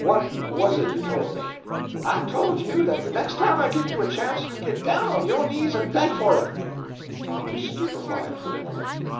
What was it you told me?" "I tole you dat de next time I give you a chance you'd git down on yo' knees en beg for it." Tom was stupefied for a moment.